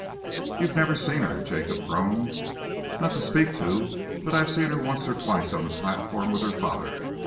"You've never seen her," Jacob groaned. "Not to speak to, but I've seen her once or twice on the platform with her father.